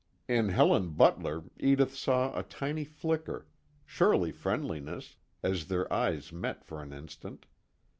In Helen Butler Edith saw a tiny flicker, surely friendliness, as their eyes met for an instant.